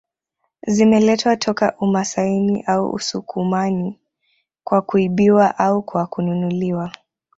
Zimeletwa toka umasaini au usukumani kwa kuibiwa au kwa kununuliwa